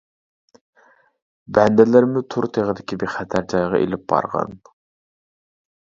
بەندىلىرىمنى تۇر تېغىدىكى بىخەتەر جايغا ئىلىپ بارغىن.